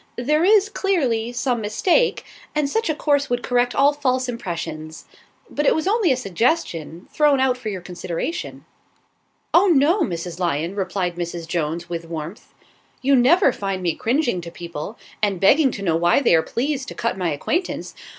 There is, clearly, some mistake, and such a course would correct all false impressions. But it was only a suggestion, thrown out for your consideration." "Oh, no, Mrs. Lyon," replied Mrs. Jones, with warmth. "You never find me cringing to people, and begging to know why they are pleased to cut my acquaintance.